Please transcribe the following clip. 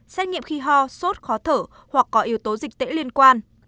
xét nghiệm khi ho sốt khó thở hoặc có yếu tố dịch tễ liên quan